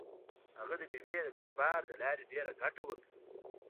هغه د بېمې د کاروبار له لارې ډېره ګټه وکړه.